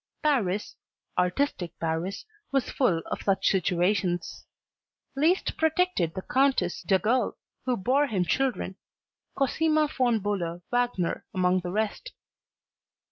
Paris, artistic Paris, was full of such situations. Liszt protected the Countess d'Agoult, who bore him children, Cosima Von Bulow Wagner among the rest.